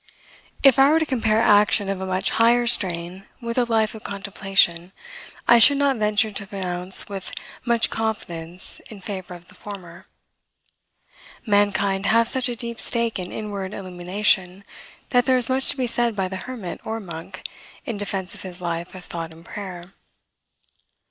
If I were to compare action of a much higher strain with a life of contemplation, I should not venture to pronounce with much confidence in favor of the former. Mankind have such a deep stake in inward illumination, that there is much to be said by the hermit or monk in defense of his life of thought and prayer.